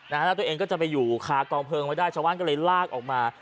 แล้วตัวเองก็จะไปอยู่คากองเพลิงไว้ได้ชาวบ้านก็เลยลากออกมา